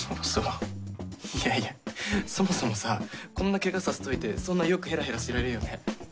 いやいやそもそもさこんなケガさせといてそんなよくヘラヘラしてられるよね。